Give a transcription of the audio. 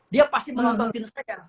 dia pasti melototin saya